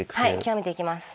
極めていきます。